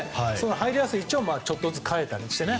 入りやすい位置をちょっとずつ変えたりしてね。